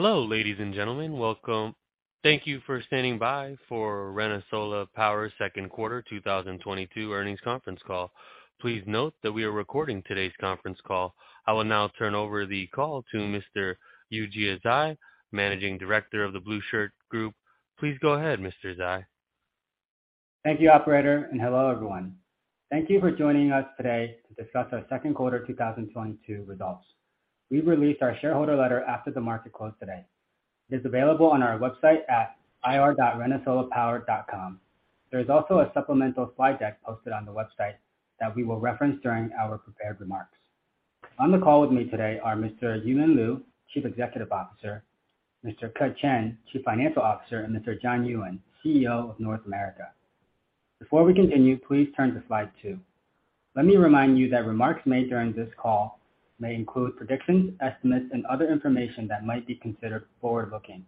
Hello, ladies and gentlemen. Welcome. Thank you for standing by for ReneSola Power second quarter 2022 earnings conference call. Please note that we are recording today's conference call. I will now turn over the call to Mr. Yujia Zhai, Managing Director of The Blueshirt Group. Please go ahead, Mr. Zhai. Thank you, operator, and hello, everyone. Thank you for joining us today to discuss our second quarter 2022 results. We released our shareholder letter after the market closed today. It is available on our website at ir.renesolapower.com. There is also a supplemental slide deck posted on the website that we will reference during our prepared remarks. On the call with me today are Mr. Yumin Liu, Chief Executive Officer, Mr. Ke Chen, Chief Financial Officer, and Mr. John Ewen, CEO of North America. Before we continue, please turn to slide 2. Let me remind you that remarks made during this call may include predictions, estimates, and other information that might be considered forward-looking.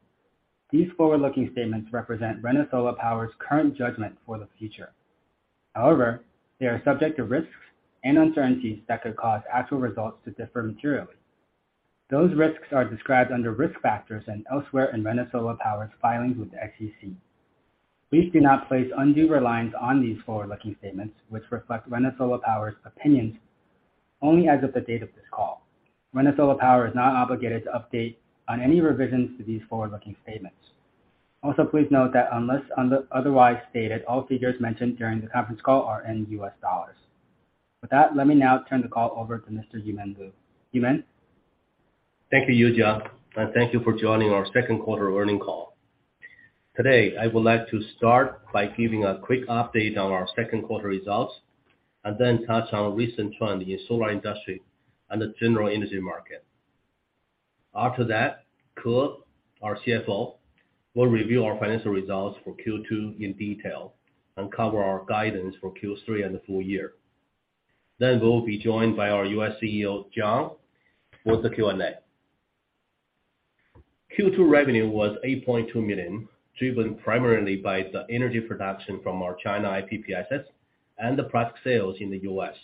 These forward-looking statements represent ReneSola Power's current judgment for the future. However, they are subject to risks and uncertainties that could cause actual results to differ materially. Those risks are described under Risk Factors and elsewhere in ReneSola Power's filings with the SEC. Please do not place undue reliance on these forward-looking statements, which reflect ReneSola Power's opinions only as of the date of this call. ReneSola Power is not obligated to update on any revisions to these forward-looking statements. Also, please note that unless otherwise stated, all figures mentioned during the conference call are in U.S. dollars. With that, let me now turn the call over to Mr. Yumin Liu. Yumin? Thank you, Yujia, and thank you for joining our second quarter earnings call. Today, I would like to start by giving a quick update on our second quarter results and then touch on recent trends in the solar industry and the general energy market. After that, Ke, our CFO, will review our financial results for Q2 in detail and cover our guidance for Q3 and the full year. We will be joined by our U.S. CEO, John, for the Q&A. Q2 revenue was $8.2 million, driven primarily by the energy production from our China IPP assets and the product sales in the U.S.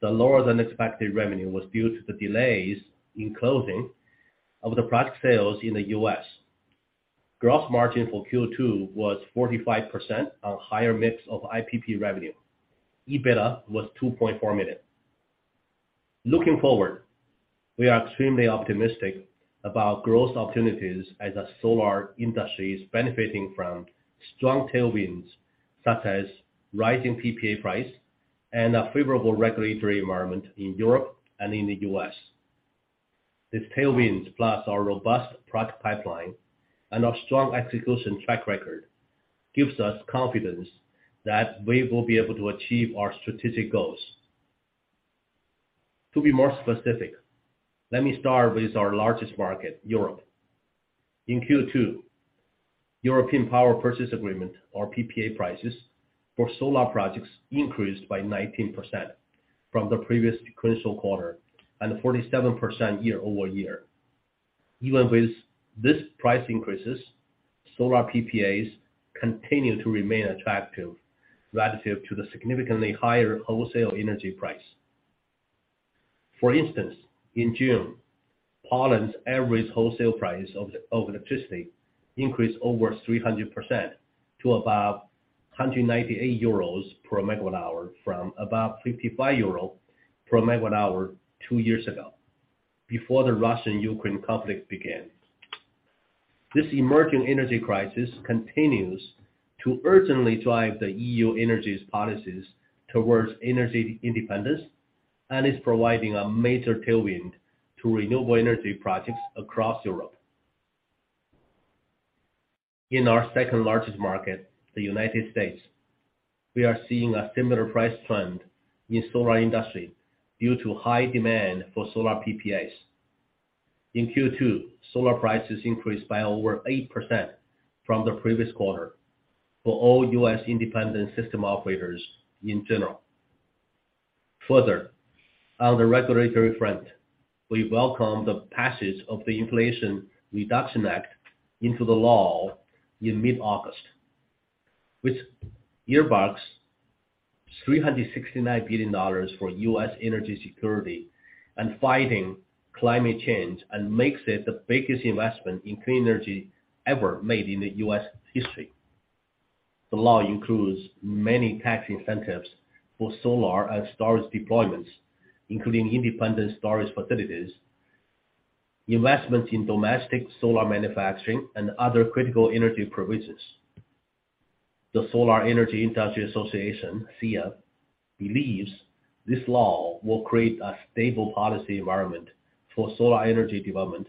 The lower than expected revenue was due to the delays in closing of the product sales in the U.S. Gross margin for Q2 was 45% on higher mix of IPP revenue. EBITDA was $2.4 million. Looking forward, we are extremely optimistic about growth opportunities as the solar industry is benefiting from strong tailwinds, such as rising PPA price and a favorable regulatory environment in Europe and in the US. These tailwinds, plus our robust product pipeline and our strong execution track record, gives us confidence that we will be able to achieve our strategic goals. To be more specific, let me start with our largest market, Europe. In Q2, European power purchase agreement or PPA prices for solar projects increased by 19% from the previous fiscal quarter, and 47% year-over-year. Even with this price increases, solar PPAs continue to remain attractive relative to the significantly higher wholesale energy prices. For instance, in June, Poland's average wholesale price of electricity increased over 300% to about 198 euros per megawatt hour from about 55 euro per megawatt hour two years ago before the Russian-Ukraine conflict began. This emerging energy crisis continues to urgently drive the EU energy policies towards energy independence and is providing a major tailwind to renewable energy projects across Europe. In our second-largest market, the United States, we are seeing a similar price trend in the solar industry due to high demand for solar PPAs. In Q2, solar prices increased by over 8% from the previous quarter for all U.S. independent system operators in general. Further, on the regulatory front, we welcome the passage of the Inflation Reduction Act into the law in mid-August, which earmarks $369 billion for U.S. energy security and fighting climate change, and makes it the biggest investment in clean energy ever made in the U.S. history. The law includes many tax incentives for solar and storage deployments, including independent storage facilities, investment in domestic solar manufacturing, and other critical energy provisions. The Solar Energy Industries Association, SEIA, believes this law will create a stable policy environment for solar energy development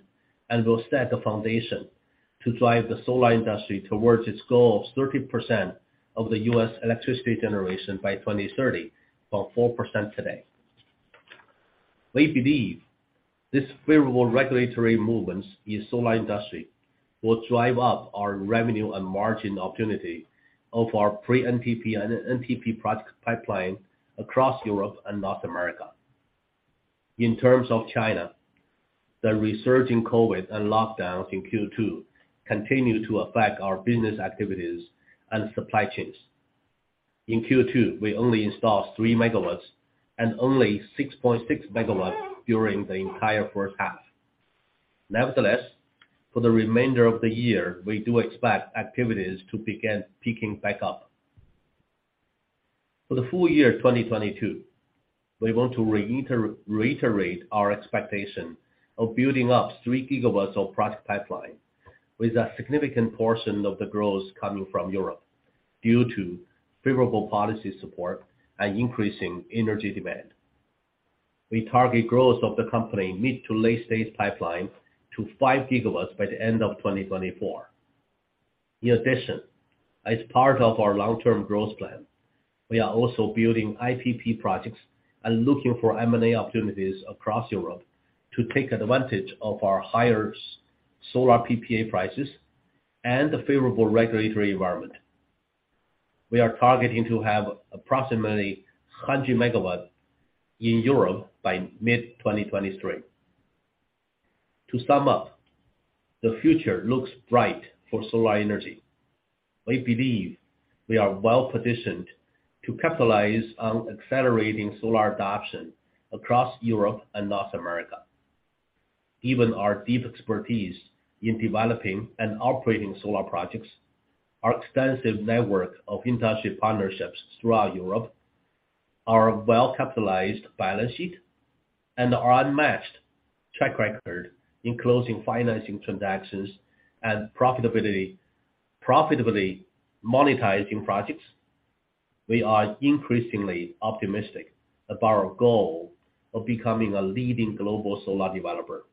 and will set the foundation to drive the solar industry towards its goal of 30% of the U.S. electricity generation by 2030, from 4% today. We believe this favorable regulatory movements in the solar industry will drive up our revenue and margin opportunity of our pre-NTP and NTP product pipeline across Europe and North America. In terms of China, the resurging COVID and lockdowns in Q2 continue to affect our business activities and supply chains. In Q2, we only installed 3 MW and only 6.6 MW during the entire first half. Nevertheless, for the remainder of the year, we do expect activities to begin peaking back up. For the full year 2022, we want to reiterate our expectation of building up 3 GW of project pipeline, with a significant portion of the growth coming from Europe due to favorable policy support and increasing energy demand. We target growth of the company mid- to late-stage pipeline to 5 GW by the end of 2024. In addition, as part of our long-term growth plan, we are also building IPP projects and looking for M&A opportunities across Europe to take advantage of our higher solar PPA prices and the favorable regulatory environment. We are targeting to have approximately 100 MW in Europe by mid-2023. To sum up, the future looks bright for solar energy. We believe we are well-positioned to capitalize on accelerating solar adoption across Europe and North America. Given our deep expertise in developing and operating solar projects, our extensive network of industry partnerships throughout Europe and our well-capitalized balance sheet and our unmatched track record in closing financing transactions and profitably monetizing projects, we are increasingly optimistic about our goal of becoming a leading global solar developer.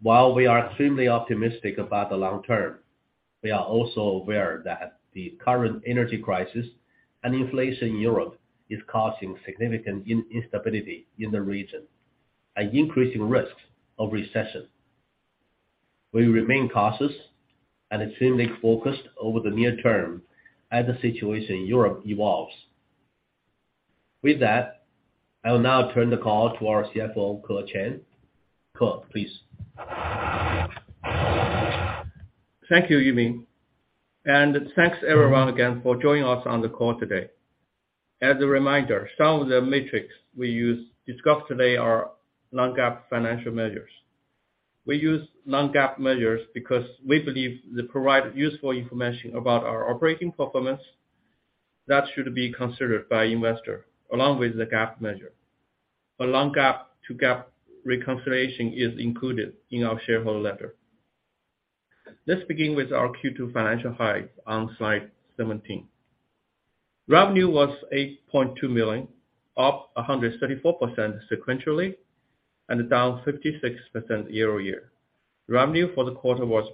While we are extremely optimistic about the long term, we are also aware that the current energy crisis and inflation in Europe are causing significant instability in the region and increasing risks of recession. We remain cautious and extremely focused over the near term as the situation in Europe evolves. With that, I will now turn the call to our CFO, Ke Chen. Ke, please. Thank you, Yumin, and thanks everyone again for joining us on the call today. As a reminder, some of the metrics we use and discuss today are non-GAAP financial measures. We use non-GAAP measures because we believe they provide useful information about our operating performance that should be considered by investor, along with the GAAP measure. A non-GAAP to GAAP reconciliation is included in our shareholder letter. Let's begin with our Q2 financial highlights on slide 17. Revenue was $8.2 million, up 134% sequentially and down 56% year-over-year. Revenue for the quarter was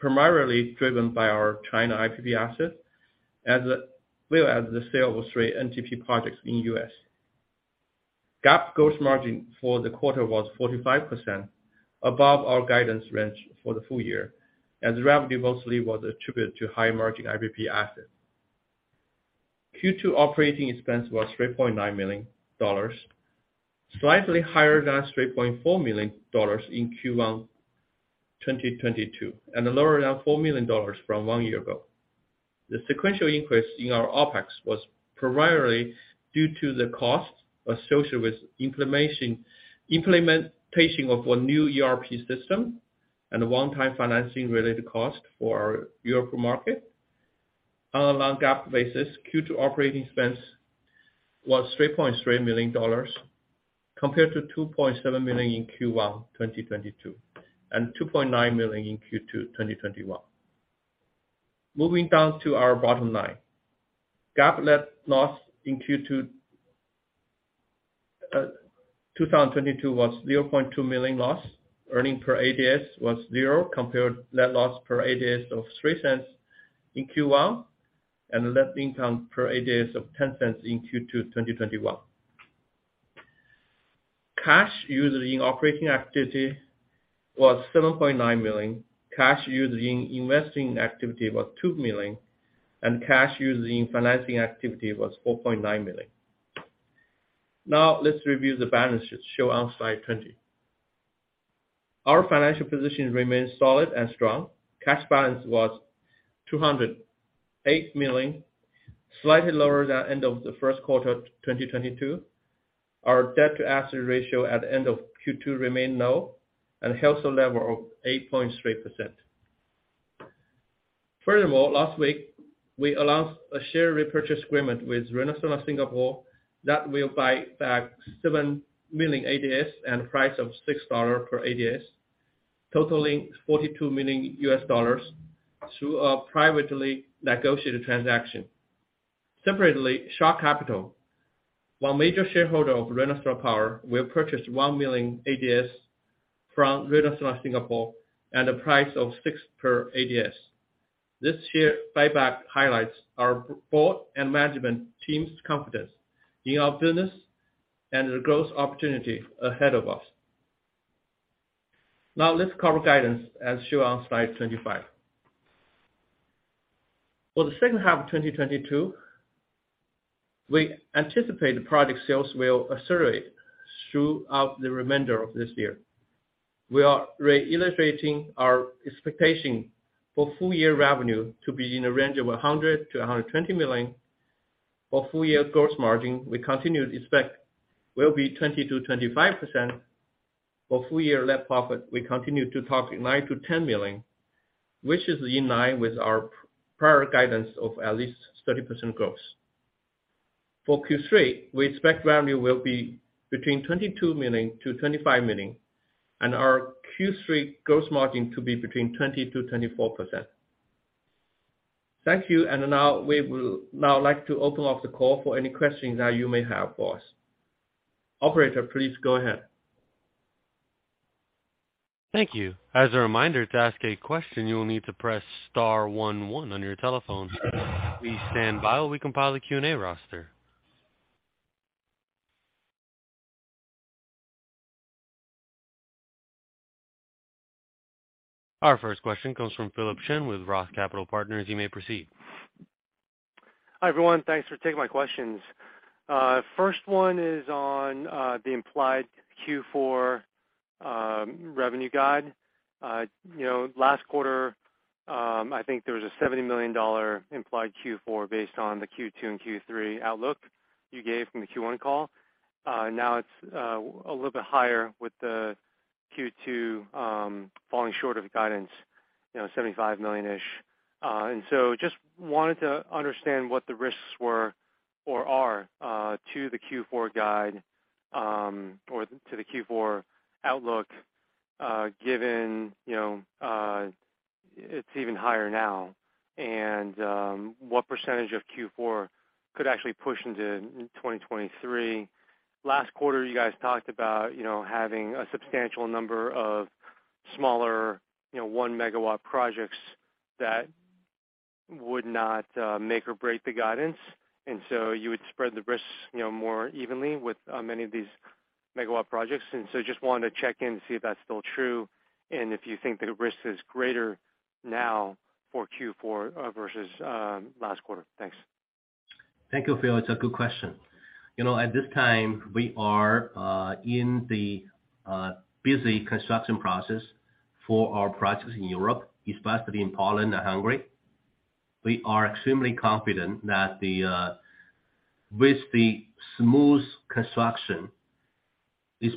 primarily driven by our China IPP assets, as well as the sale of three NTP projects in U.S. GAAP gross margin for the quarter was 45% above our guidance range for the full year, as revenue mostly was attributed to higher-margin IPP assets. Q2 operating expense was $3.9 million, slightly higher than $3.4 million in Q1 2022, and lower than $4 million from one year ago. The sequential increase in our OpEx was primarily due to the costs associated with implementation of a new ERP system and a one-time financing-related cost for our European market. On a non-GAAP basis, Q2 operating expense was $3.3 million compared to $2.7 million in Q1 2022, and $2.9 million in Q2 2021. Moving down to our bottom line. GAAP net loss in Q2 2022 was $0.2 million loss. Earnings per ADS was zero compared net loss per ADS of $0.03 in Q1, and net income per ADS of $0.10 in Q2 2021. Cash used in operating activity was $7.9 million. Cash used in investing activity was $2 million, and cash used in financing activity was $4.9 million. Now let's review the balances shown on slide 20. Our financial position remains solid and strong. Cash balance was $208 million, slightly lower than end of the first quarter 2022. Our debt to asset ratio at the end of Q2 remain low and holds a level of 8.3%. Furthermore, last week, we announced a share repurchase agreement with ReneSola Singapore that will buy back 7 million ADS at a price of $6 per ADS, totaling $42 million through a privately negotiated transaction. Separately, Shah Capital, one major shareholder of ReneSola Power, will purchase 1 million ADS from ReneSola Singapore at a price of $6 per ADS. This share buyback highlights our board and management team's confidence in our business and the growth opportunity ahead of us. Now let's cover guidance as shown on slide 25. For the second half of 2022 We anticipate the product sales will accelerate throughout the remainder of this year. We are re-illustrating our expectation for full-year revenue to be in a range of $100 million-$120 million. For full-year gross margin, we continue to expect will be 20%-25%. For full-year net profit, we continue to target $9 million-$10 million, which is in line with our prior guidance of at least 30% growth. For Q3, we expect revenue will be between $22 million-$25 million, and our Q3 gross margin to be between 20%-24%. Thank you. Now, we will now like to open up the call for any questions that you may have for us. Operator, please go ahead. Thank you. As a reminder, to ask a question, you will need to press star one one on your telephone. Please stand by while we compile the Q&A roster. Our first question comes from Philip Shen with Roth Capital Partners. You may proceed. Hi, everyone. Thanks for taking my questions. First one is on the implied Q4 revenue guide. You know, last quarter, I think there was a $70 million implied Q4 based on the Q2 and Q3 outlook you gave from the Q1 call. Now it's a little bit higher with the Q2 falling short of the guidance, you know, $75 million-ish. Just wanted to understand what the risks were or are to the Q4 guide or to the Q4 outlook, given you know it's even higher now, and what percentage of Q4 could actually push into 2023. Last quarter, you guys talked about you know having a substantial number of smaller you know 1 MW projects that would not make or break the guidance. You would spread the risks, you know, more evenly with many of these MW projects. Just wanted to check in to see if that's still true, and if you think the risk is greater now for Q4 versus last quarter. Thanks. Thank you, Phil. It's a good question. You know, at this time, we are in the busy construction process for our projects in Europe, especially in Poland and Hungary. We are extremely confident that the smooth construction is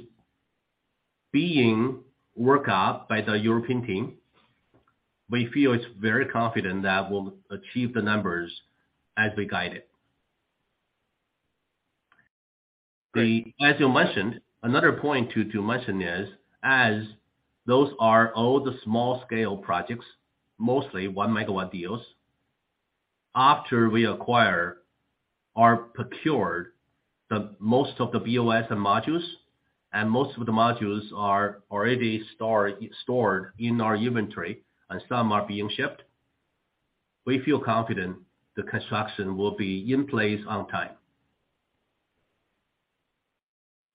being worked out by the European team. We feel very confident that we'll achieve the numbers as we guided. As you mentioned, another point to mention is, as those are all the small-scale projects, mostly 1-megawatt deals, after we acquire or procure the most of the BOS and modules, and most of the modules are already stored in our inventory and some are being shipped, we feel confident the construction will be in place on time.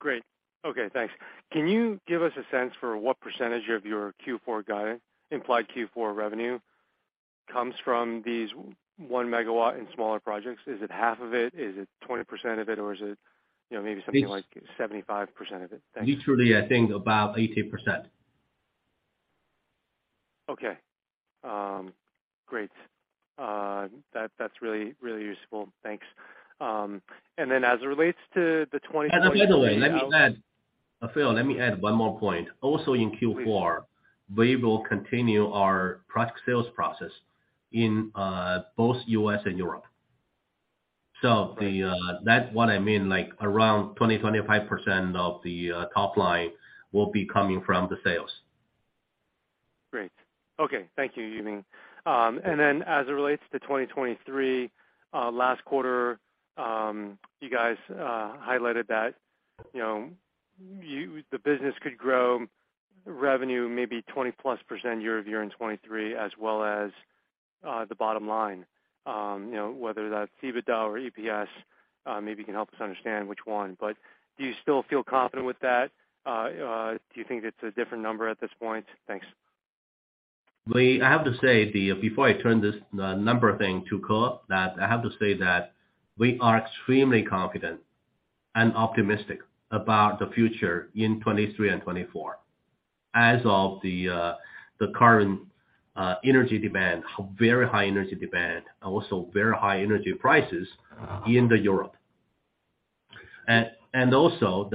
Great. Okay, thanks. Can you give us a sense for what percentage of your Q4 guide, implied Q4 revenue comes from these one megawatt and smaller projects? Is it half of it? Is it 20% of it? Or is it, you know, maybe something like? It's- 75% of it? Thanks. Usually, I think about 80%. Okay. Great. That, that's really, really useful. Thanks. As it relates to the 2020- By the way, let me add. Phil, let me add one more point. Please. Also in Q4, we will continue our product sales process in both U.S. and Europe. That's what I mean, like, around 20%-25% of the top line will be coming from the sales. Great. Okay. Thank you, Yumin. And then as it relates to 2023, last quarter, you guys highlighted that, you know, the business could grow revenue maybe 20%+ year-over-year in 2023 as well as the bottom line. You know, whether that's EBITDA or EPS, maybe you can help us understand which one. Do you still feel confident with that? Do you think it's a different number at this point? Thanks. I have to say, before I turn this over to Ke, that I have to say that we are extremely confident and optimistic about the future in 2023 and 2024. As of the current energy demand, very high energy demand, and also very high energy prices in Europe. Also,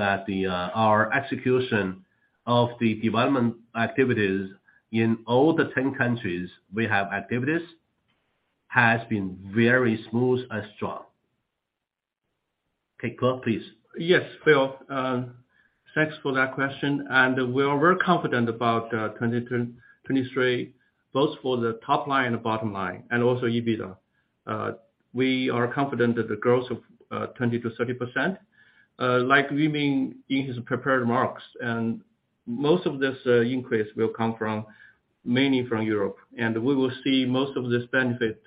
our execution of the development activities in all 10 countries we have activities has been very smooth and strong. Okay, Ke, please. Yes, Phil, thanks for that question, and we are very confident about 2023, both for the top line and the bottom line, and also EBITDA. We are confident that the growth of 20%-30%. Like Yumin in his prepared remarks, and most of this increase will come from, mainly from Europe. We will see most of this benefit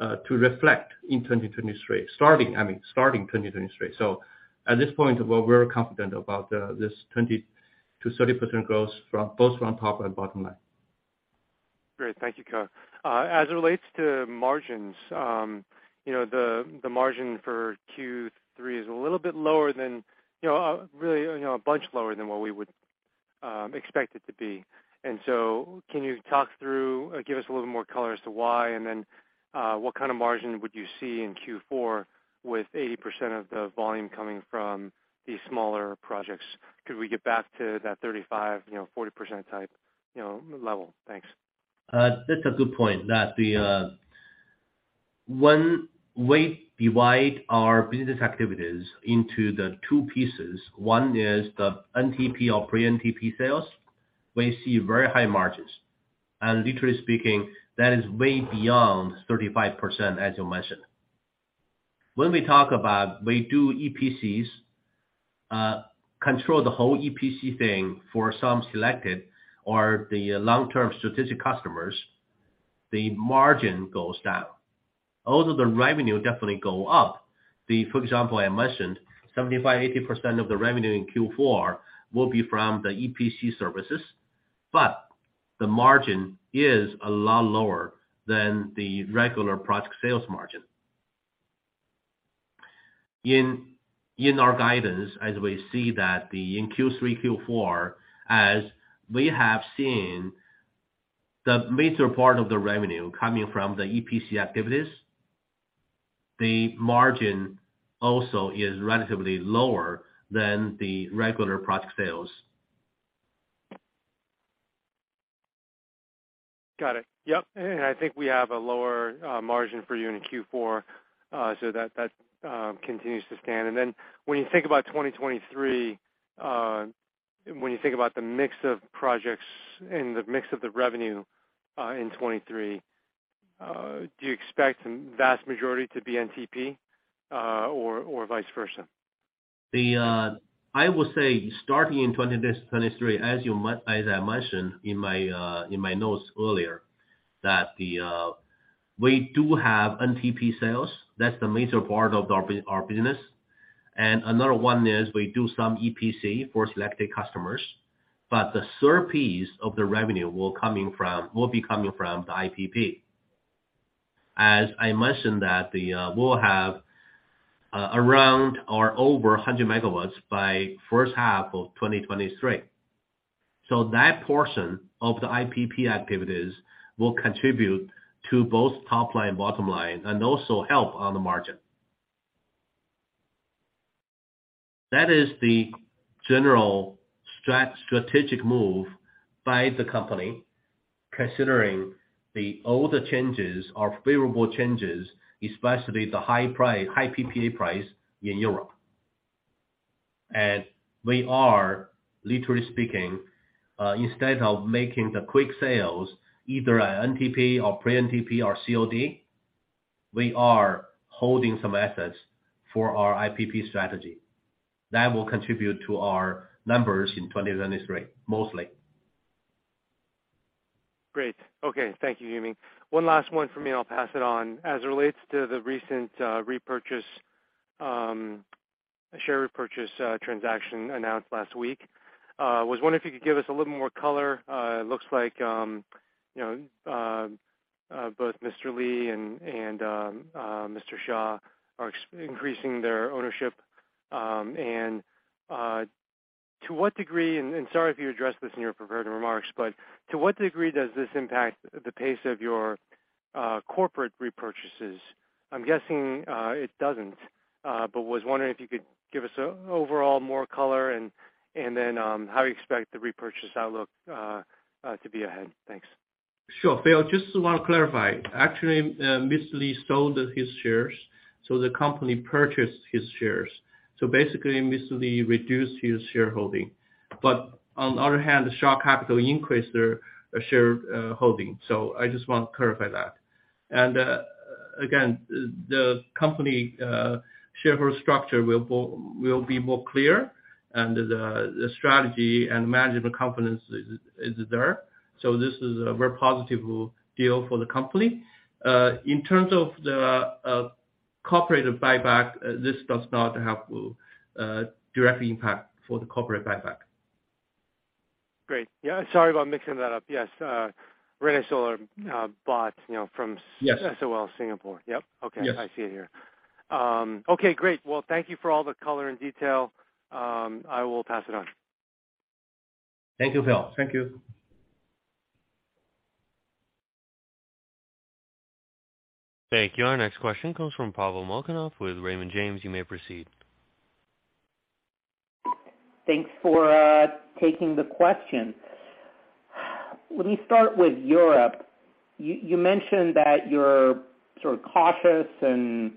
to reflect in 2023. Starting, I mean, starting 2023. At this point, we're very confident about this 20%-30% growth from both top and bottom line. Great. Thank you, Ke. As it relates to margins, you know, the margin for Q3 is a little bit lower than, you know, really, you know, a bunch lower than what we would expect it to be. Can you talk through or give us a little more color as to why, and then, what kind of margin would you see in Q4 with 80% of the volume coming from the smaller projects? Could we get back to that 35%-40% type, you know, level? Thanks. That's a good point. One, we divide our business activities into the two pieces. One is the NTP or pre-NTP sales. We see very high margins. Literally speaking, that is way beyond 35%, as you mentioned. When we talk about we do EPCs, control the whole EPC thing for some selected or the long-term strategic customers, the margin goes down. Also, the revenue definitely go up. For example, I mentioned 75%, 80% of the revenue in Q4 will be from the EPC services, but the margin is a lot lower than the regular project sales margin. In our guidance, in Q3, Q4, as we have seen the major part of the revenue coming from the EPC activities, the margin also is relatively lower than the regular project sales. Got it. Yep. I think we have a lower margin for you in Q4, so that continues to stand. When you think about 2023, when you think about the mix of projects and the mix of the revenue, in 2023, do you expect vast majority to be NTP, or vice versa? I will say starting in 2023, as I mentioned in my notes earlier, that we do have NTP sales. That's the major part of our business. Another one is we do some EPC for selected customers, but the third piece of the revenue will be coming from the IPP. As I mentioned, we'll have around or over 100 MW by the first half of 2023. So that portion of the IPP activities will contribute to both top line, bottom line, and also help on the margin. That is the general strategic move by the company, considering the overall changes are favorable changes, especially the high price, high PPA price in Europe. We are, literally speaking, instead of making the quick sales, either at NTP or pre-NTP or COD, we are holding some assets for our IPP strategy. That will contribute to our numbers in 2023, mostly. Great. Okay. Thank you, Yumin. One last one for me, and I'll pass it on. As it relates to the recent repurchase, share repurchase transaction announced last week, was wondering if you could give us a little more color. It looks like, you know, both Mr. Li and Mr. Shah are increasing their ownership. To what degree. Sorry if you addressed this in your prepared remarks, but to what degree does this impact the pace of your corporate repurchases? I'm guessing, it doesn't, but was wondering if you could give us an overall more color and then, how you expect the repurchase outlook to be ahead. Thanks. Sure. Phil, just wanna clarify. Actually, Mr. Li sold his shares, so the company purchased his shares. Basically, Mr. Li reduced his shareholding. On the other hand, the Shah Capital increased their shareholding. I just want to clarify that. Again, the company shareholder structure will be more clear, and the strategy and management confidence is there. This is a very positive deal for the company. In terms of the corporate buyback, this does not have direct impact for the corporate buyback. Great. Yeah, sorry about mixing that up. Yes, ReneSola, bought, you know, from- Yes. ReneSola Singapore. Yep. Okay. Yes. I see it here. Okay. Great. Well, thank you for all the color and detail. I will pass it on. Thank you, Philip. Thank you. Thank you. Our next question comes from Pavel Molchanov with Raymond James. You may proceed. Thanks for taking the question. Let me start with Europe. You mentioned that you're sort of cautious and,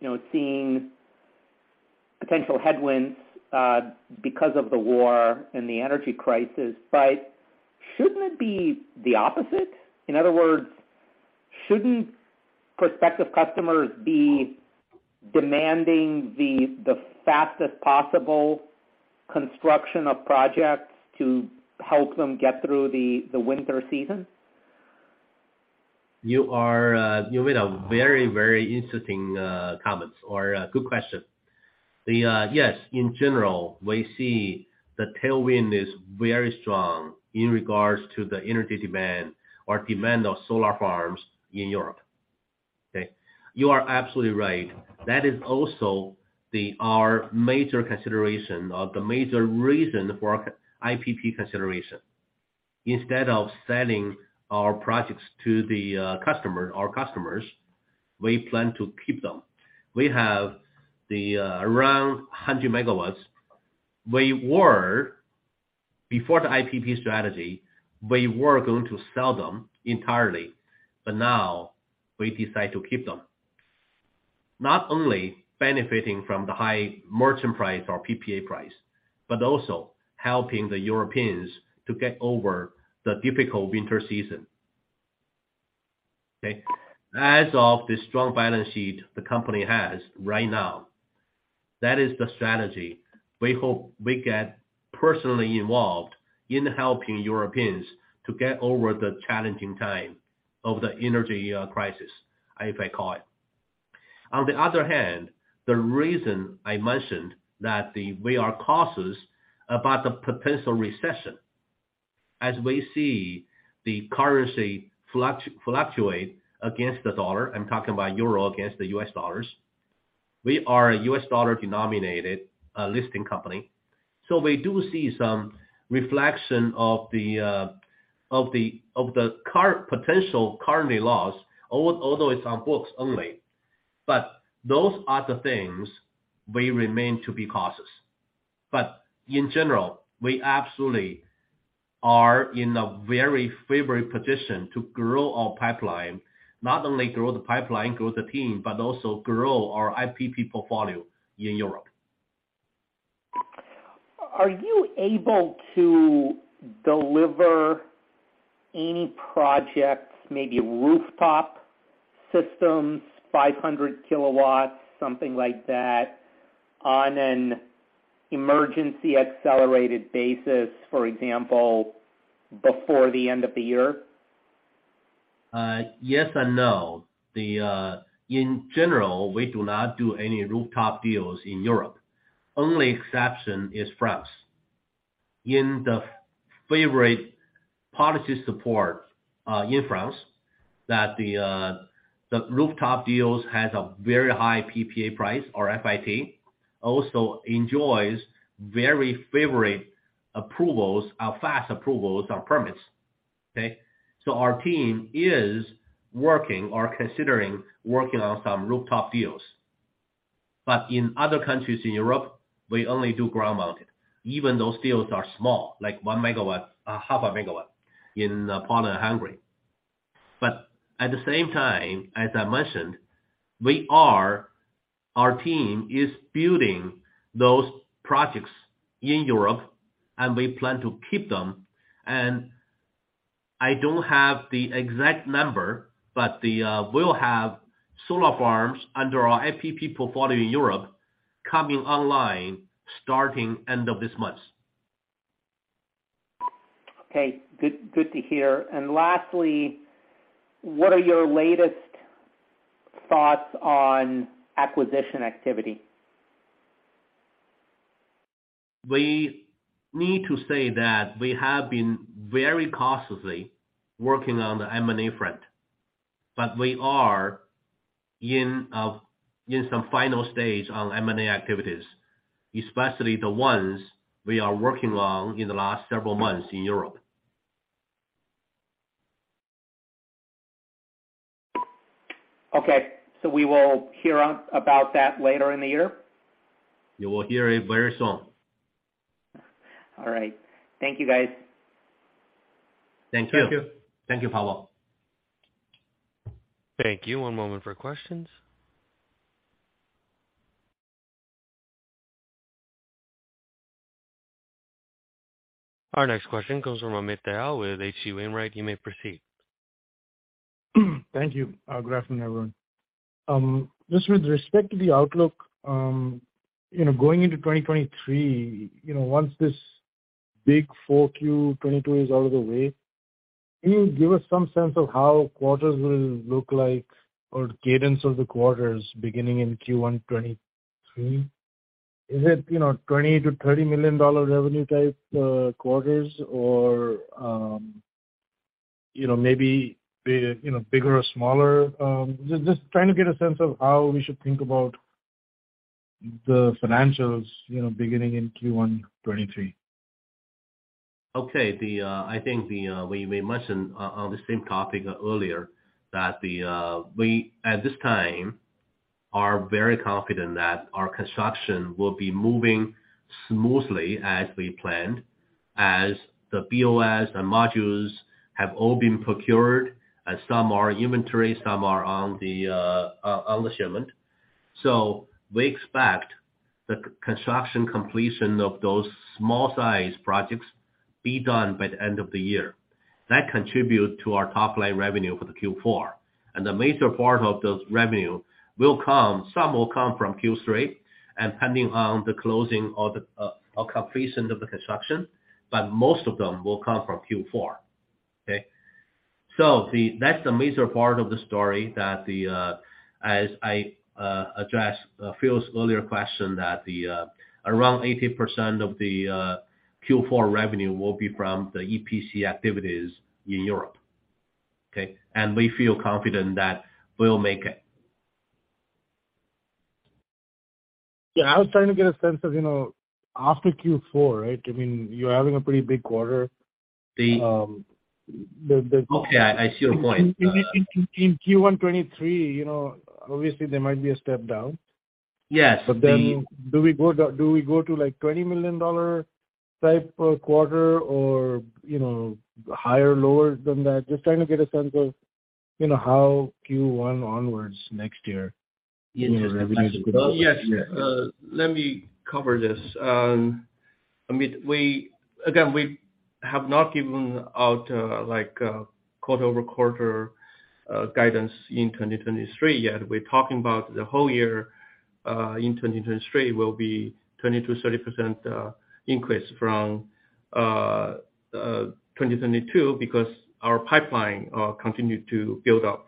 you know, seeing potential headwinds, because of the war and the energy crisis. Shouldn't it be the opposite? In other words, shouldn't prospective customers be demanding the fastest possible construction of projects to help them get through the winter season? You are, you made a very interesting comment or a good question. Yes, in general, we see the tailwind is very strong in regards to the energy demand or demand of solar farms in Europe. Okay. You are absolutely right. That is also our major consideration or the major reason for our IPP consideration. Instead of selling our projects to our customers, we plan to keep them. We have around 100 MW. Before the IPP strategy, we were going to sell them entirely, but now we decide to keep them. Not only benefiting from the high merchant price or PPA price, but also helping the Europeans to get over the difficult winter season. Okay. As of the strong balance sheet the company has right now, that is the strategy. We hope we get personally involved in helping Europeans to get over the challenging time of the energy crisis, if I call it. On the other hand, the reason I mentioned that we are cautious about the potential recession as we see the currency fluctuating against the dollar, I'm talking about euro against the US dollars. We are a US dollar-denominated listing company, so we do see some reflection of the potential currency loss, although it's on books only. Those are the things we remain to be cautious. In general, we absolutely are in a very favorable position to grow our pipeline. Not only grow the pipeline, grow the team, but also grow our IPP portfolio in Europe. Are you able to deliver any projects, maybe rooftop systems, 500 kW, something like that, on an emergency accelerated basis, for example, before the end of the year? Yes and no. In general, we do not do any rooftop deals in Europe. Only exception is France. In the favorable policy support, in France, that the rooftop deals have a very high PPA price or FIT, also enjoys very favorable approvals or fast approvals on permits. Okay? Our team is working or considering working on some rooftop deals. In other countries in Europe, we only do ground-mounted, even those deals are small, like 1 MW, half a megawatt in Poland and Hungary. At the same time, as I mentioned, our team is building those projects in Europe, and we plan to keep them. I don't have the exact number, but we'll have solar farms under our IPP portfolio in Europe coming online starting end of this month. Okay. Good, good to hear. Lastly, what are your latest thoughts on acquisition activity? We need to say that we have been very cautiously working on the M&A front, but we are in some final stage on M&A activities, especially the ones we are working on in the last several months in Europe. Okay. We will hear about that later in the year? You will hear it very soon. All right. Thank you guys. Thank you. Thank you. Thank you, Pavel. Thank you. One moment for questions. Our next question comes from Amit Dayal with H.C. Wainwright. You may proceed. Thank you. Good afternoon, everyone. Just with respect to the outlook, you know, going into 2023, you know, once this big Q4 2022 is out of the way, can you give us some sense of how quarters will look like or cadence of the quarters beginning in Q1 2023? Is it, you know, $20 million-$30 million revenue type quarters or, you know, maybe bigger or smaller? Just trying to get a sense of how we should think about the financials, you know, beginning in Q1 2023. Okay. I think we mentioned on the same topic earlier that we, at this time, are very confident that our construction will be moving smoothly as we planned, as the BOS, the modules have all been procured and some are in inventory, some are on the shipment. We expect the construction completion of those small-sized projects to be done by the end of the year. That contribute to our top-line revenue for the Q4. The major part of those revenue will come, some will come from Q3, and depending on the closing or the completion of the construction. Most of them will come from Q4, okay? That's the major part of the story that. As I address Phil's earlier question that around 80% of the Q4 revenue will be from the EPC activities in Europe, okay. We feel confident that we'll make it. Yeah, I was trying to get a sense of, you know, after Q4, right? I mean, you're having a pretty big quarter. Okay, I see your point. In Q1 2023, you know, obviously there might be a step down. Yes. Do we go to, like, $20 million type of quarter or, you know, higher, lower than that? Just trying to get a sense of, you know, how Q1 onwards next year, you know, the revenue is gonna look. Yes. Let me cover this. I mean, we have not given out, like, quarter-over-quarter guidance in 2023 yet. We're talking about the whole year in 2023 will be 20%-30% increase from 2022 because our pipeline continued to build up.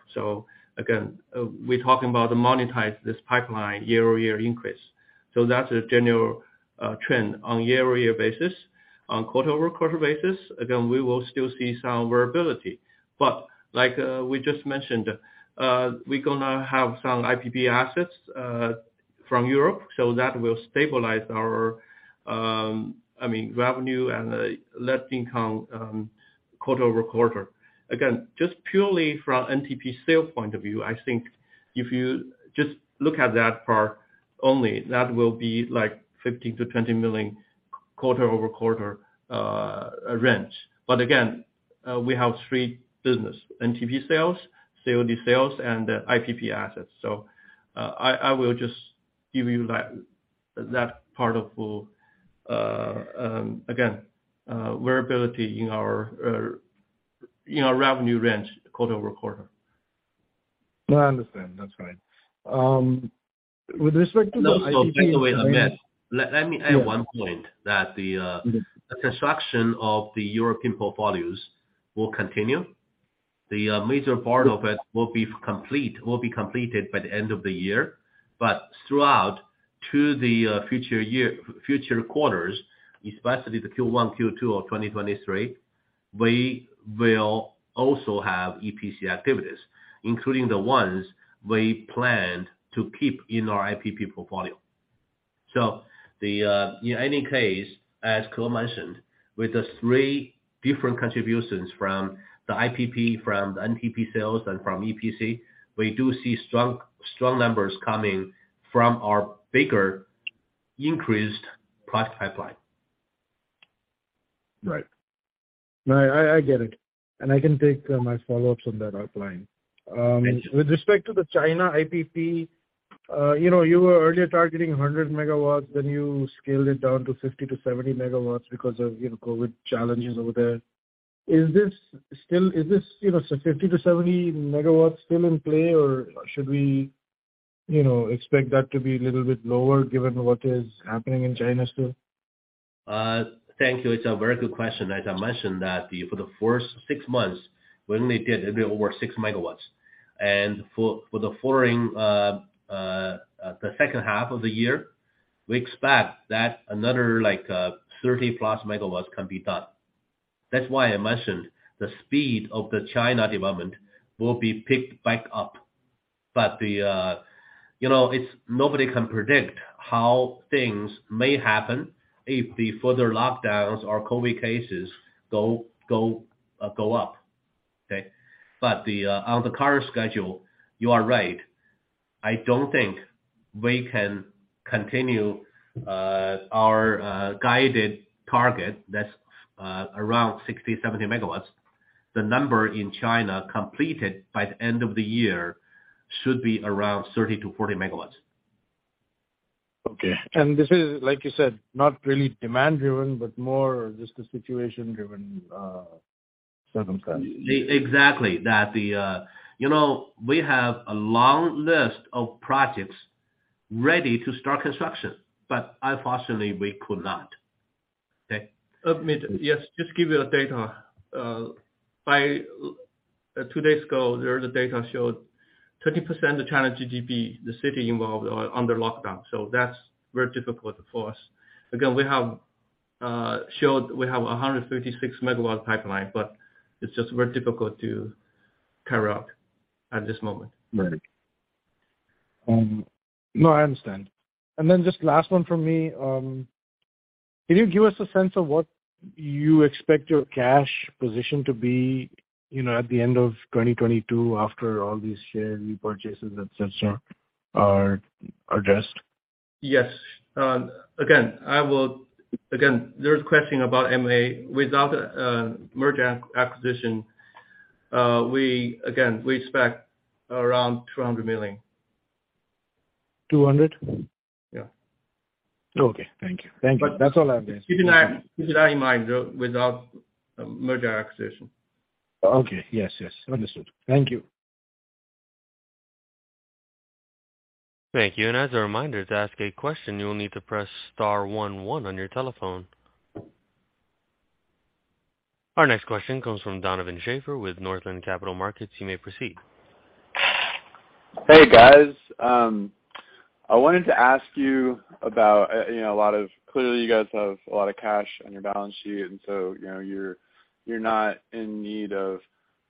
Again, we're talking about monetize this pipeline year-over-year increase. That's a general trend on year-over-year basis. On quarter-over-quarter basis, again, we will still see some variability. Like, we just mentioned, we're gonna have some IPP assets from Europe, so that will stabilize our, I mean, revenue and net income, quarter over quarter. Again, just purely from NTP sale point of view, I think if you just look at that part only, that will be, like, $50 million-$20 million quarter-over-quarter range. Again, we have three businesses: NTP sales, COD sales, and the IPP assets. Again, variability in our revenue range quarter-over-quarter. No, I understand. That's fine. With respect to the IPP- No. By the way, Amit, let me add one point that the construction of the European portfolios will continue. The major part of it will be completed by the end of the year. Throughout the future year, future quarters, especially the Q1, Q2 of 2023, we will also have EPC activities, including the ones we planned to keep in our IPP portfolio. In any case, as Ke Chen mentioned, with the three different contributions from the IPP, from the NTP sales, and from EPC, we do see strong numbers coming from our bigger increased project pipeline. Right. No, I get it. I can take my follow-ups on that outline. With respect to the China IPP, you know, you were earlier targeting 100 MW, then you scaled it down to 50 MW-70 MW because of, you know, COVID challenges over there. Is this, you know, 50 MW-70 MW still in play, or should we, you know, expect that to be a little bit lower given what is happening in China still? Thank you. It's a very good question. As I mentioned, for the first six months, we only did a bit over 6MW. For the following, the second half of the year, we expect that another like 30+ MW can be done. That's why I mentioned the speed of the China development will be picked back up. But you know, it's nobody can predict how things may happen if the further lockdowns or COVID cases go up, okay? But on the current schedule, you are right. I don't think we can continue our guided target that's around 60 MW-70 MW. The number in China completed by the end of the year should be around 30 MW-40 MW. Okay. This is, like you said, not really demand driven, but more just the situation driven, circumstance. Exactly. You know, we have a long list of projects ready to start construction, but unfortunately we could not, okay? Amit Dayal, yes, just give you the data. By two days ago, there is data showed 30% of China's GDP, the cities involved are under lockdown. That's very difficult for us. Again, we have shown we have a 136 MW pipeline, but it's just very difficult to carry out at this moment. Right. No, I understand. Just last one from me. Can you give us a sense of what you expect your cash position to be, you know, at the end of 2022 after all these share repurchases, et cetera, are addressed? Yes. Again, there's a question about M&A. Without a merger acquisition, we again expect around $200 million. 200? Yeah. Okay, thank you. Thank you. That's all I have. Keep that in mind, though, without a M&A. Okay. Yes, yes. Understood. Thank you. Thank you. As a reminder, to ask a question, you will need to press star one one on your telephone. Our next question comes from Donovan Schafer with Northland Capital Markets. You may proceed. Hey, guys. I wanted to ask you about. Clearly, you guys have a lot of cash on your balance sheet, and so, you know, you're not in need of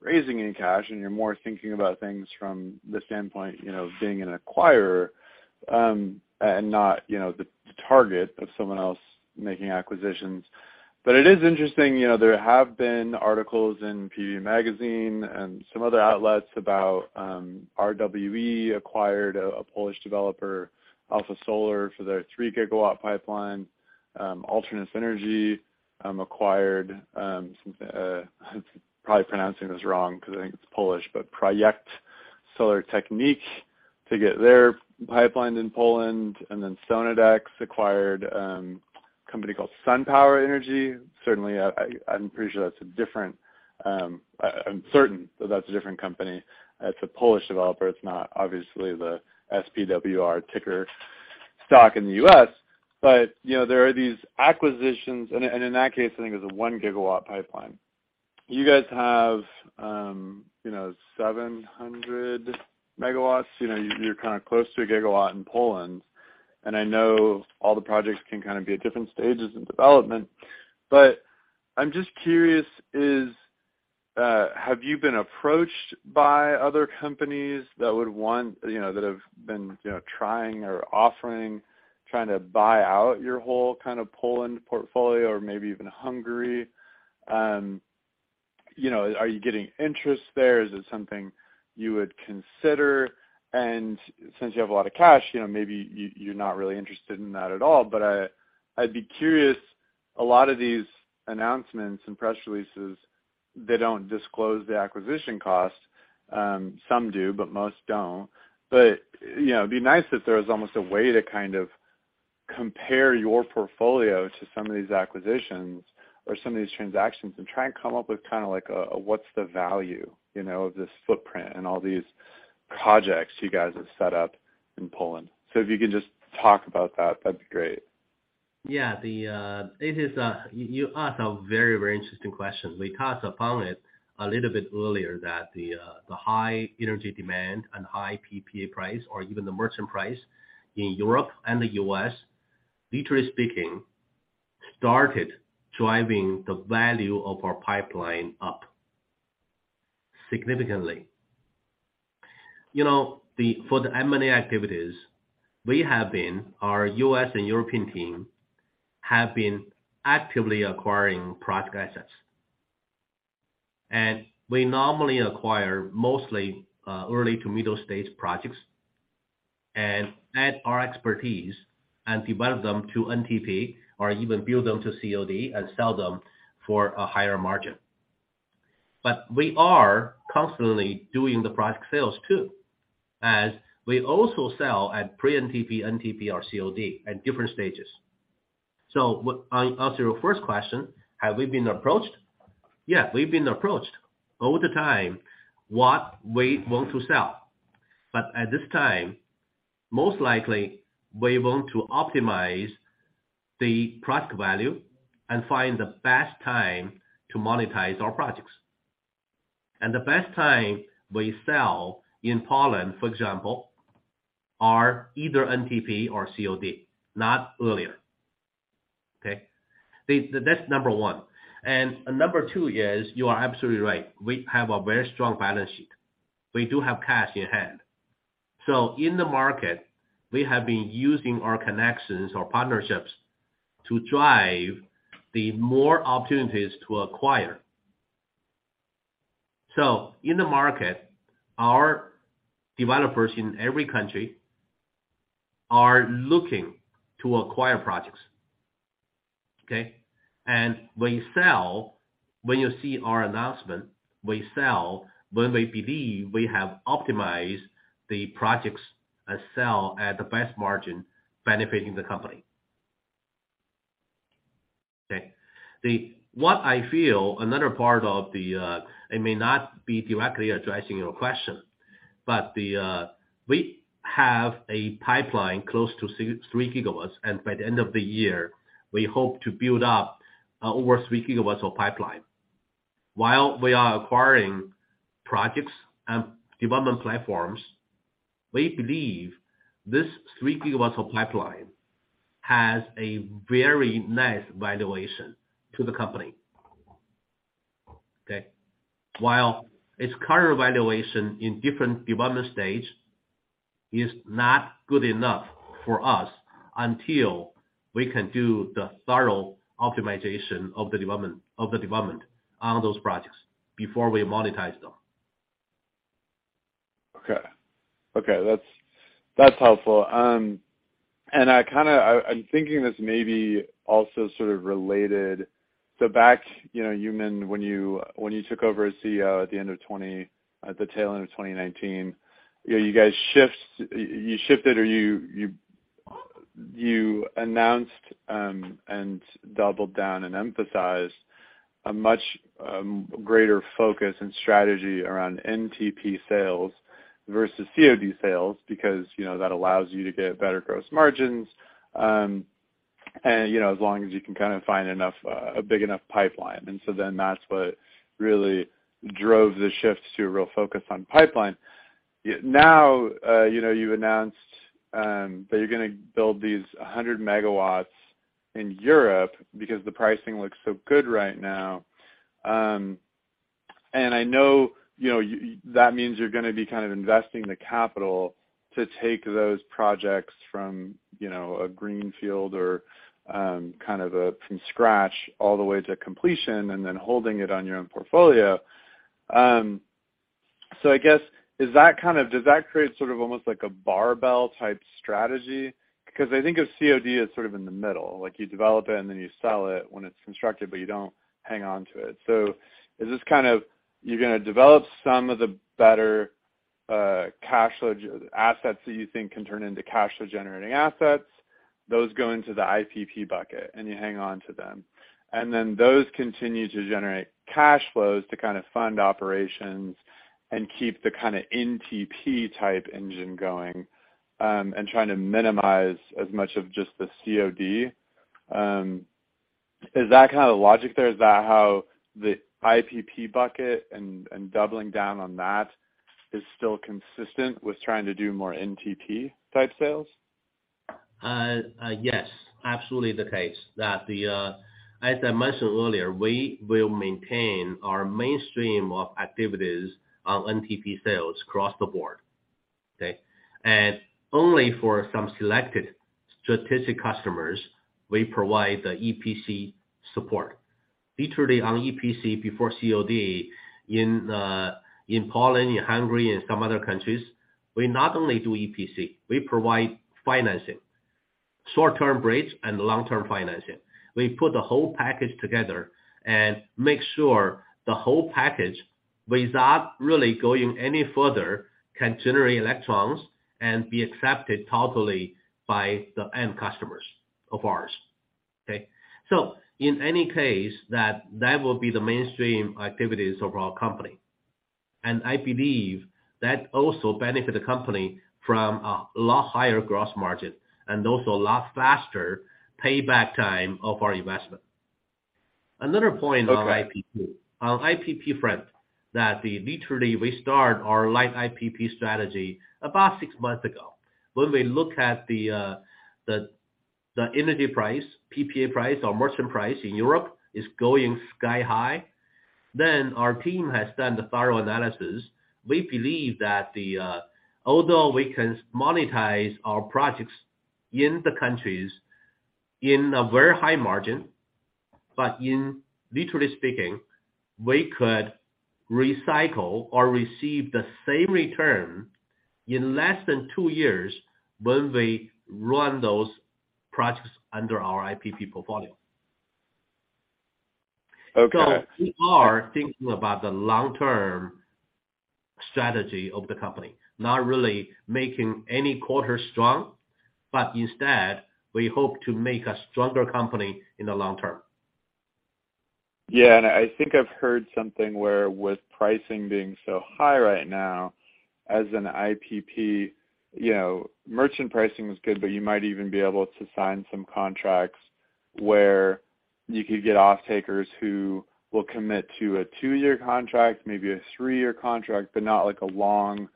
raising any cash, and you're more thinking about things from the standpoint, you know, of being an acquirer, and not, you know, the target of someone else making acquisitions. It is interesting, you know, there have been articles in PV Magazine and some other outlets about RWE acquired a Polish developer, Alpha Solar, for their 3 GW pipeline. Alternus Energy acquired, I'm probably pronouncing this wrong 'cause I think it's Polish, but Projekt Solartechnik to get their pipeline in Poland. Sonnedix acquired a company called Sun Power Energy. Certainly, I'm certain that that's a different company. It's a Polish developer. It's not obviously the SPWR ticker stock in the U.S. You know, there are these acquisitions, and in that case, I think it's a 1 GW pipeline. You guys have, you know, 700 MW. You know, you're kinda close to a gigawatt in Poland. I know all the projects can kind of be at different stages in development. I'm just curious, have you been approached by other companies that would want, you know, that have been, you know, trying or offering to buy out your whole kind of Poland portfolio or maybe even Hungary? You know, are you getting interest there? Is it something you would consider? Since you have a lot of cash, you know, maybe you're not really interested in that at all. I'd be curious, a lot of these announcements and press releases, they don't disclose the acquisition cost. Some do, but most don't. You know, it'd be nice if there was almost a way to kind of compare your portfolio to some of these acquisitions or some of these transactions and try and come up with kinda like, what's the value, you know, of this footprint and all these projects you guys have set up in Poland. If you can just talk about that'd be great. Yeah, you ask a very, very interesting question. We touched upon it a little bit earlier, that the high energy demand and high PPA price or even the merchant price in Europe and the U.S., literally speaking, started driving the value of our pipeline up significantly. You know, for the M&A activities, our U.S. and European team have been actively acquiring project assets. We normally acquire mostly early to middle-stage projects and add our expertise and develop them to NTP or even build them to COD and sell them for a higher margin. We are constantly doing the project sales too, as we also sell at pre-NTP, NTP or COD at different stages. I answer your first question, have we been approached? Yeah, we've been approached all the time about what we want to sell. At this time, most likely we want to optimize the project value and find the best time to monetize our projects. The best time we sell in Poland, for example, are either NTP or COD, not earlier. Okay? That's number one. Number two is, you are absolutely right. We have a very strong balance sheet. We do have cash in hand. In the market, we have been using our connections or partnerships to drive the more opportunities to acquire. In the market, our developers in every country are looking to acquire projects, okay? We sell, when you see our announcement, we sell when we believe we have optimized the projects and sell at the best margin benefiting the company. Okay? What I feel, another part of the, it may not be directly addressing your question, but we have a pipeline close to 3 GW, and by the end of the year, we hope to build up over 3 GW of pipeline. While we are acquiring projects and development platforms, we believe this 3 GW of pipeline has a very nice valuation to the company, okay? While its current valuation in different development stages is not good enough for us until we can do the thorough optimization of the development on those projects before we monetize them. Okay. That's helpful. I'm thinking this may be also sort of related. Back, you know, Yumin, when you took over as CEO at the end of 2020, at the tail end of 2019, you know, you shifted or you announced and doubled down and emphasized a much greater focus and strategy around NTP sales versus COD sales because, you know, that allows you to get better gross margins, and, you know, as long as you can find enough a big enough pipeline. That's what really drove the shift to a real focus on pipeline. Now, you know, you've announced that you're gonna build these 100 MW in Europe because the pricing looks so good right now. I know, you know, that means you're gonna be kind of investing the capital to take those projects from, you know, a greenfield or kind of from scratch all the way to completion and then holding it on your own portfolio. I guess, does that create sort of almost like a barbell-type strategy? Because I think of COD as sort of in the middle. Like you develop it, and then you sell it when it's constructed, but you don't hang on to it. Is this kind of you're gonna develop some of the better cash flow assets that you think can turn into cash flow generating assets, those go into the IPP bucket, and you hang on to them. Those continue to generate cash flows to kind of fund operations and keep the kind of NTP-type engine going, and trying to minimize as much of just the COD. Is that kind of the logic there? Is that how the IPP bucket and doubling down on that is still consistent with trying to do more NTP-type sales? Yes, absolutely the case that as I mentioned earlier, we will maintain our mainstream of activities on NTP sales across the board. Okay? Only for some selected strategic customers we provide the EPC support. Literally, on EPC before COD in Poland, in Hungary and some other countries, we not only do EPC, we provide financing, short-term bridge and long-term financing. We put the whole package together and make sure the whole package, without really going any further, can generate electrons and be accepted totally by the end customers of ours. Okay? In any case, that will be the mainstream activities of our company. I believe that also benefit the company from a lot higher gross margin and also a lot faster payback time of our investment. Another point. Okay. On IPP front, we literally start our light IPP strategy about six months ago. When we look at the energy price, PPA price, our merchant price in Europe is going sky high. Our team has done the thorough analysis. We believe that although we can monetize our projects in the countries in a very high margin, but in literally speaking, we could recycle or receive the same return in less than two years when we run those projects under our IPP portfolio. Okay. We are thinking about the long-term strategy of the company, not really making any quarter strong, but instead, we hope to make a stronger company in the long term. Yeah. I think I've heard something where with pricing being so high right now as an IPP, you know, merchant pricing was good, but you might even be able to sign some contracts where you could get off-takers who will commit to a two-year contract, maybe a three-year contract, but not like a long,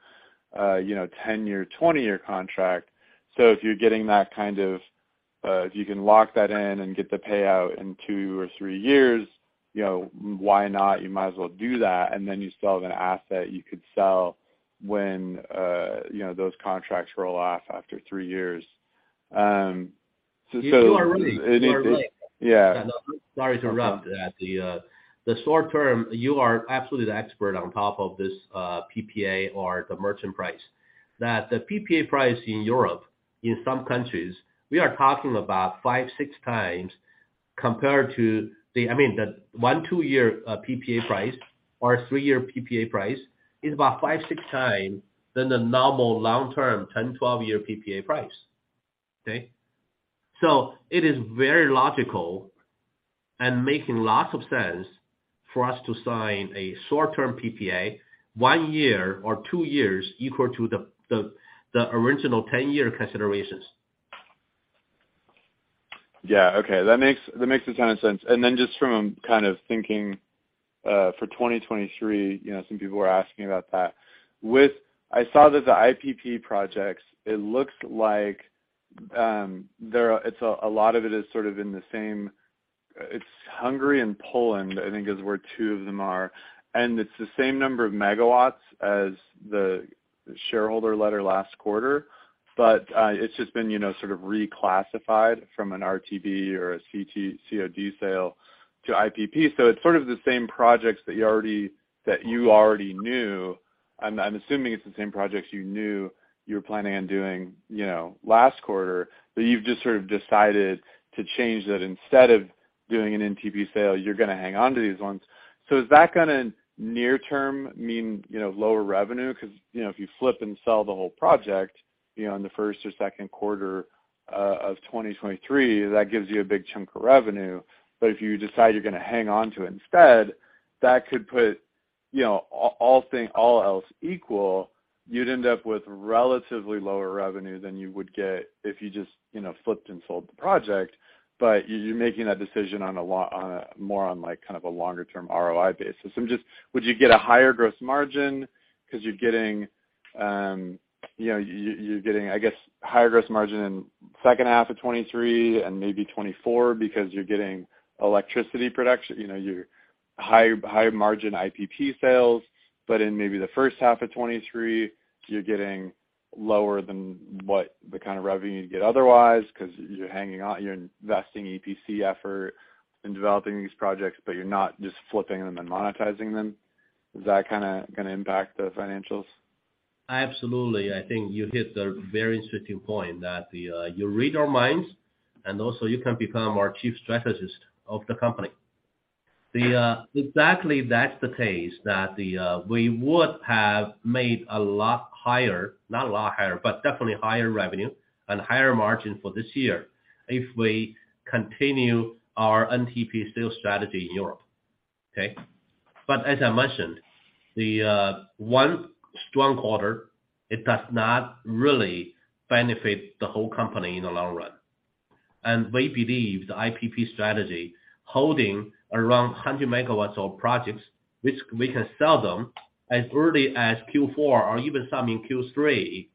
you know, 10-year, 20-year contract. If you're getting that kind of, if you can lock that in and get the payout in two or three years, you know, why not? You might as well do that. Then you still have an asset you could sell when, you know, those contracts roll off after three years. You are right. You are right. Yeah. Sorry to interrupt. The short term, you are absolutely the expert on top of this, PPA or the merchant price. That the PPA price in Europe, in some countries, we are talking about 5-6 times compared to the. I mean, the 1-2-year PPA price or a 3-year PPA price is about 5-6 times the normal long-term 10-12-year PPA price. Okay? It is very logical and making lots of sense for us to sign a short-term PPA 1 year or 2 years equal to the original 10-year considerations. Yeah. Okay. That makes a ton of sense. Then just from kind of thinking, for 2023, you know, some people were asking about that. I saw that the IPP projects, it looks like, there are—it's a lot of it is sort of in the same. It's Hungary and Poland, I think, where two of them are. It's the same number of megawatts as the shareholder letter last quarter. It's just been, you know, sort of reclassified from an RTB or a CT-COD sale to IPP. It's sort of the same projects that you already knew. I'm assuming it's the same projects you knew you were planning on doing, you know, last quarter. You've just sort of decided to change that instead of doing an NTP sale, you're gonna hang on to these ones. Is that gonna near-term mean, you know, lower revenue? Because, you know, if you flip and sell the whole project, you know, in the first or second quarter of 2023, that gives you a big chunk of revenue. If you decide you're gonna hang on to it instead, that could put, you know, all else equal, you'd end up with relatively lower revenue than you would get if you just, you know, flipped and sold the project. You're making that decision on a longer-term ROI basis. I'm just... Would you get a higher gross margin because you're getting, you know, you're getting, I guess, higher gross margin in second half of 2023 and maybe 2024 because you're getting electricity production, you know, your high margin IPP sales. But in maybe the first half of 2023, you're getting lower than what the kind of revenue you'd get otherwise because you're hanging on, you're investing EPC effort in developing these projects, but you're not just flipping them and monetizing them. Is that kinda gonna impact the financials? Absolutely. I think you hit a very interesting point that you read our minds, and also you can become our chief strategist of the company. Exactly, that's the case that we would have made a lot higher, not a lot higher, but definitely higher revenue and higher margin for this year if we continue our NTP sales strategy in Europe. Okay. But as I mentioned, one strong quarter does not really benefit the whole company in the long run. We believe the IPP strategy, holding around 100 megawatts of projects, which we can sell them as early as Q4 or even some in Q3,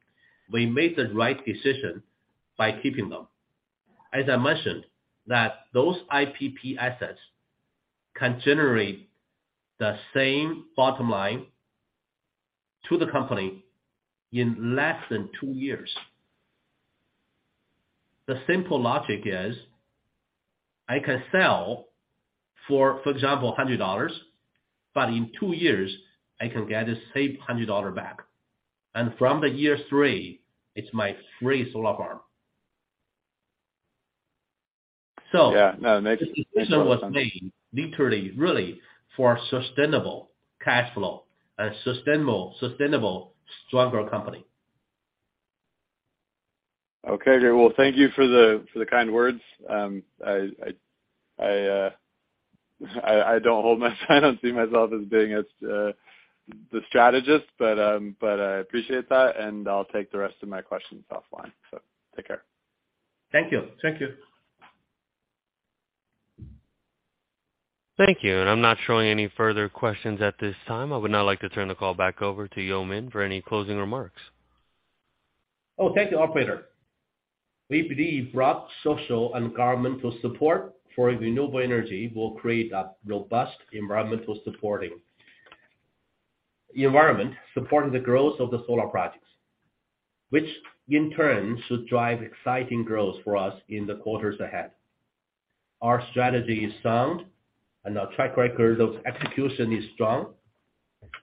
we made the right decision by keeping them. As I mentioned, those IPP assets can generate the same bottom line to the company in less than two years. The simple logic is I can sell for example, $100, but in two years, I can get the same $100 back. From the year three, it's my free solar power. Yeah. No, The decision was made literally, really for sustainable cash flow and sustainable stronger company. Okay. Well, thank you for the kind words. I don't see myself as being as the strategist, but I appreciate that, and I'll take the rest of my questions offline. Take care. Thank you. Thank you. Thank you. I'm not showing any further questions at this time. I would now like to turn the call back over to Yumin for any closing remarks. Oh, thank you, operator. We believe broad social and governmental support for renewable energy will create a robust environment supporting the growth of the solar projects, which in turn should drive exciting growth for us in the quarters ahead. Our strategy is sound, and our track record of execution is strong.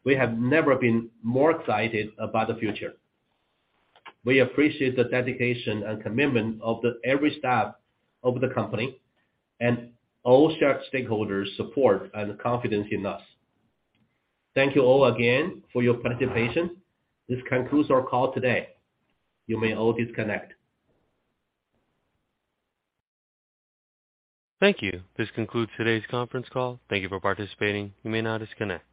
We have never been more excited about the future. We appreciate the dedication and commitment of the every staff of the company and all shareholders' support and confidence in us. Thank you all again for your participation. This concludes our call today. You may all disconnect. Thank you. This concludes today's conference call. Thank you for participating. You may now disconnect.